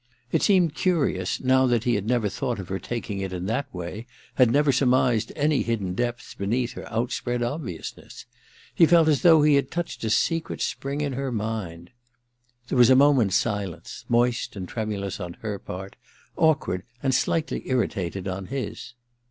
It seemed curious now that he had never thought of her taking it in that way, had never surmised any hidden depths beneath her outspread obvious* ness. He felt as though he had touched a secret spring in her mind. There was a moment's silence, moist and tremulous on her part, awkward and slightly irritated on his.